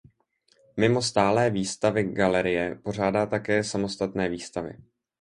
Mimo stálé výstavy galerie pořádá také samostatné výstavy.